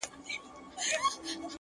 هره تجربه د فکر نوی اړخ پرانیزي.!